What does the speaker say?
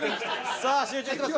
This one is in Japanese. さあ集中してます。